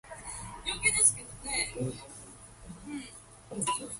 Thurgoland Junior School is ranked second in the local league table.